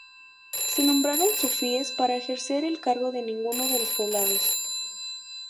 Se nombraron sufíes para ejercer el cargo de ninguno de los poblados.